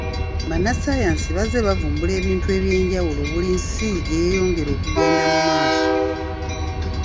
Bannasayansi bazze bavumbula ebintu eby'enjawulo buli nsi gye yeyongera okugenda maaso.